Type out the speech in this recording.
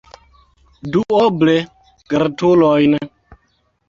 Duoble gratulojn!